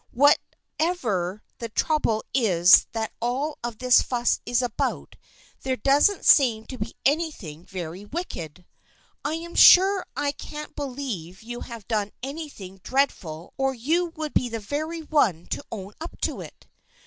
Whatever the trouble is that all this fuss is about, there doesn't seem to be anything very wicked. I am sure I can't believe you have done anything dreadful or you would be the very one to own up to it.